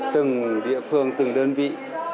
từng địa phương từng đơn vị